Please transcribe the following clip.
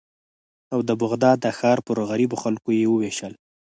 او د بغداد د ښار پر غریبو خلکو یې ووېشل.